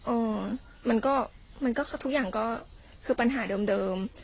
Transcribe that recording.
อ๋อมันก็มันก็คือทุกอย่างก็คือปัญหาเดิม